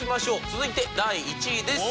続いて第１位です。